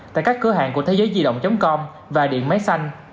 tại các cửa hàng của thế giớidiđộng com và điện máy xanh